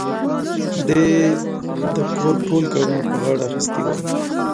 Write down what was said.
دې د کور ټول کارونه په غاړه اخيستي ول.